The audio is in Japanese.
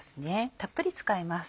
たっぷり使います。